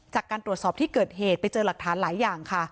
จากการตรวจสอบที่เกิดเหตุไปเจอหลักฐานหลายอย่างค่ะ